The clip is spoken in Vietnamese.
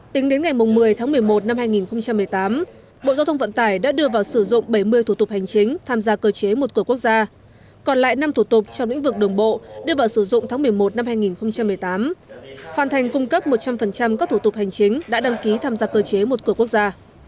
tính đến ngày một mươi tháng một mươi một năm hai nghìn một mươi tám bộ giao thông vận tải đã đưa vào sử dụng bảy mươi thủ tục hành chính tham gia cơ chế một cửa quốc gia còn lại năm thủ tục trong lĩnh vực đồng bộ đưa vào sử dụng tháng một mươi một năm hai nghìn một mươi tám hoàn thành cung cấp một trăm linh các thủ tục hành chính đã đăng ký tham gia cơ chế một cửa quốc gia